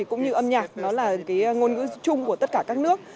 cũng như âm nhạc nó là cái ngôn ngữ chung của tất cả các nước